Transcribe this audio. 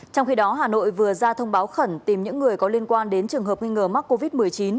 trong khi đó hà nội vừa ra thông báo khẩn tìm những người có liên quan đến trường hợp nghi ngờ mắc covid một mươi chín